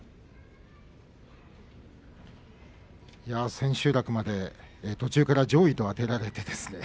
千秋楽まで、途中から上位とあてられてですね